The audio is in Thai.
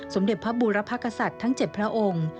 สมเด็จพระบูรพกษัตริย์ทั้ง๗พระองค์